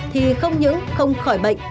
thì không những không khỏi bệnh